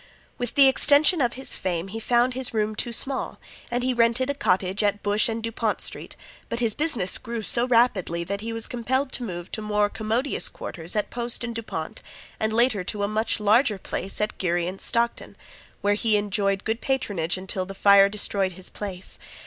With the extension of his fame he found his room too small and he rented a cottage at Bush and Dupont street, but his business grew so rapidly that he was compelled to move to more commodious quarters at Post and Dupont and later to a much larger place at Geary and Stockton, where he enjoyed good patronage until the fire destroyed his place.